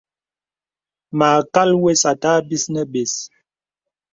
Mâkal wə̀s àtâ bis nə bə̀s.